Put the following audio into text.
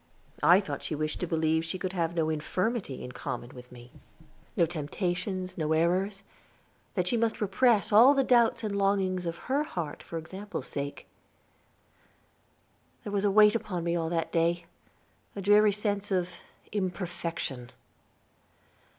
I thought she wished me to believe she could have no infirmity in common with me no temptations, no errors that she must repress all the doubts and longings of her heart for example's sake. There was a weight upon me all that day, a dreary sense of imperfection.